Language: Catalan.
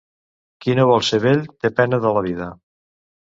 Qui no vol ser vell té pena de la vida.